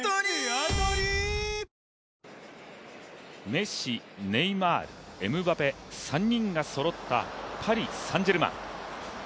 メッシ、ネイマール、エムバペ、３人がそろったパリ・サン＝ジェルマン。